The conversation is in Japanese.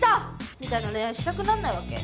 みたいな恋愛したくなんないわけ？